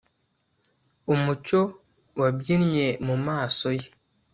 Umucyo wabyinnye mu maso ye